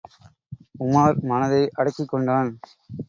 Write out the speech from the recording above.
உமார் மனதை அடக்கிக் கொண்டான்.